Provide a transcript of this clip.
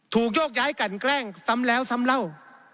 โยกย้ายกันแกล้งซ้ำแล้วซ้ำเล่า